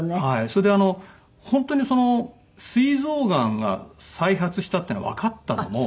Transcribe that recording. それで本当にすい臓がんが再発したっていうのがわかったのも。